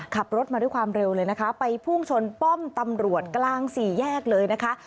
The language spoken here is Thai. ขับรถมาด้วยความเร็วเลยนะคะไปพุ่งชนป้อมตำรวจกลางสี่แยกเลยนะคะ